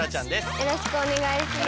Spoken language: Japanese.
よろしくお願いします。